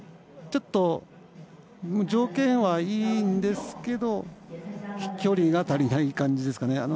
ちょっと条件はいいんですけど飛距離が足りない感じですかね。